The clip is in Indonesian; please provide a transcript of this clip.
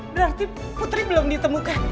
berarti putri belum ditemukan